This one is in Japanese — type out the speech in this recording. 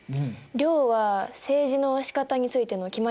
令は政治のしかたについての決まり？